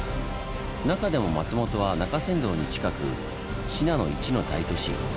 中でも松本は中山道に近く信濃一の大都市。